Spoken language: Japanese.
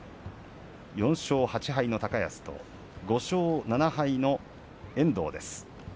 ４勝８敗の高安、５勝７敗の遠藤。